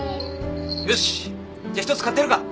よしじゃ１つ買ってやるか。